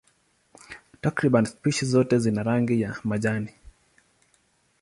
Takriban spishi zote zina rangi ya majani.